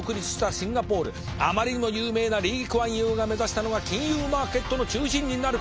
あまりにも有名なリー・クアンユーが目指したのが金融マーケットの中心になること。